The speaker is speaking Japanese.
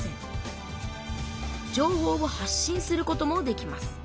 情報を発信することもできます。